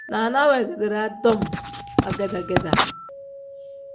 Naana weegedi daa tom agedaa-gedaa.